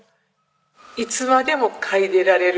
いつまでも嗅いでられる。